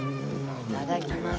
いただきます。